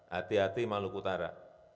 hati hati maluku utara